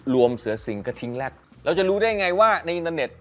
เสือสิงกระทิ้งแรกเราจะรู้ได้ไงว่าในอินเตอร์เน็ต